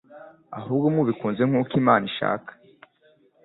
ahubwo mubikunze nk'uko Imana ishaka.